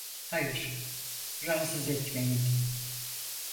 Hayır, rahatsız etmeyin.